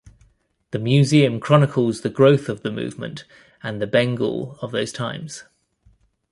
The museum chronicles the growth of the movement and the Bengal of those times.